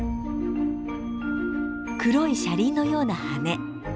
黒い車輪のような羽。